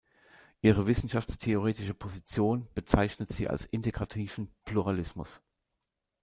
Ihre wissenschaftstheoretische Position bezeichnet sie als „integrativen Pluralismus“.